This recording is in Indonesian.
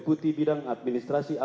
pertama pertama pertama